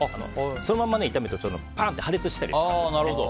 そのまま炒めると破裂したりしますので。